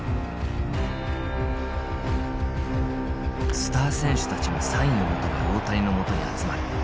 スター選手たちもサインを求め大谷のもとに集まる。